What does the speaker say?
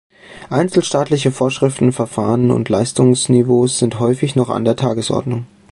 Einzelstaatliche Vorschriften, Verfahren und Leistungsniveaus sind häufig noch an der Tagesordnung.